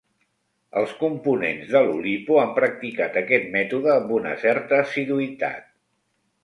Els components de l'Oulipo han practicat aquest mètode amb una certa assiduïtat.